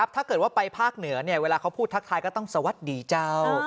ถ้าเกิดว่าไปภาคเหนือเวลาเขาพูดทักทายก็ต้องสวัสดีเจ้า